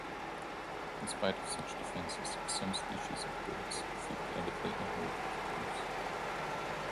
In spite of such defenses, some species of birds feed avidly on hairy caterpillars.